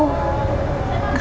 kan yang penting ada